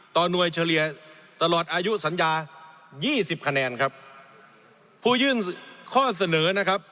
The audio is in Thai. หน่วยเฉลี่ยตลอดอายุสัญญายี่สิบคะแนนครับผู้ยื่นข้อเสนอนะครับ